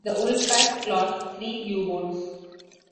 The wolfpack lost three U-boats.